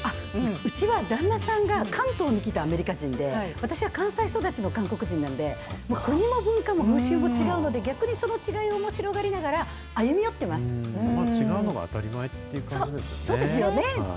うちは旦那さんが関東に来たアメリカ人で、私は関西育ちの韓国人なんで、国も文化も風習も違うので、逆に、その違いをおもし違うのが当たり前っていう感そうですよね。